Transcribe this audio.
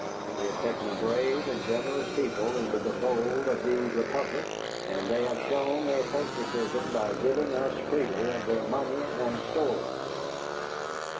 We have taken a brave and generous people into the fold of the Republic, and they have shown their patriotism by giving us freely of their money and stores."